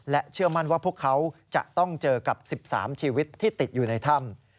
เชื่อมั่นว่าพวกเขาจะต้องเจอกับ๑๓ชีวิตที่ติดอยู่ในถ้ำ